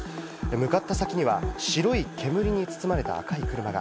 向かった先には白い煙に包まれた赤い車が。